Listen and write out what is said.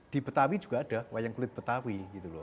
di betawi juga ada wayang kulit betawi gitu loh